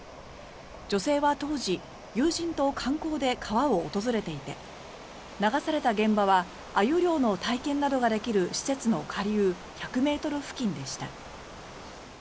女性は当時友人と観光で川を訪れていて流された現場はアユ漁の体験などができる施設の下流１００ｍ付近でした。